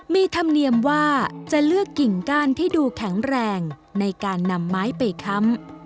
มีธรรมเนียมว่าจะเลือกกิ่งก้านที่ดูแข็งแรงในการนำไม้ไปค้ำ